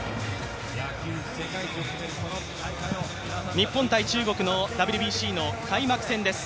日本×中国のＷＢＣの開幕戦です。